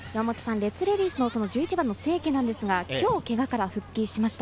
レッズレディース、１１番・清家ですが、今日、けがから復帰しました。